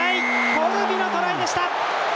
コルビのトライでした！